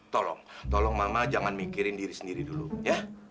tolong tolong mama jangan mikirin diri sendiri dulu ya